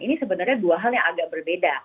ini sebenarnya dua hal yang agak berbeda